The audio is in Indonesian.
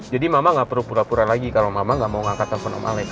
jadi mama gak perlu pura pura lagi kalo mama gak mau ngangkat telfon om alex